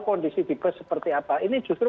kondisi di bus seperti apa ini justru